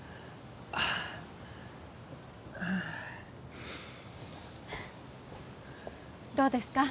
ああどうですか？